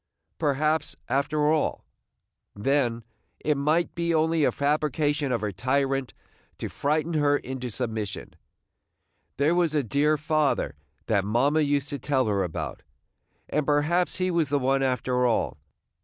Perhaps, after all, then, it might be only a fabrication of her tyrant to frighten her into submission. There was a dear Father that mamma used to tell her about; and perhaps he was the one after all.